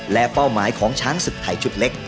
และเป้าหมายของช้างศึกไทยชุดเล็ก